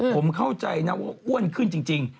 ผมเข้าใจนะว่าอ้วนขึ้นจริง